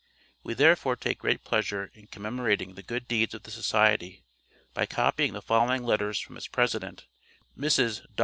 We therefore take great pleasure in commemorating the good deeds of the society, by copying the following letters from its president, Mrs. Dr.